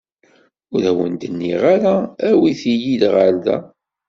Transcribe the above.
Ur awen-d-nniɣ ara awit-iyi-d ɣer da.